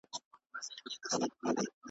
د ځناورو له خاندان دی .